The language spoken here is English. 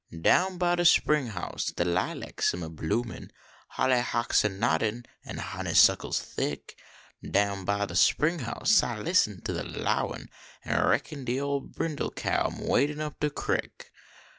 Down by de spring house de lilacs am a bloomiif ; Holly hocks a noddin an honey suckles thick. Down by de spring house I listen to de lowin ; An reckon de ole brindle cow am wadin up de creek.